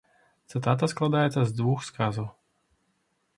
Цытата складаецца з двух сказаў.